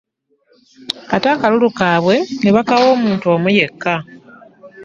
Ate akalulu kaabwe ne bakawa omuntu omu yekka.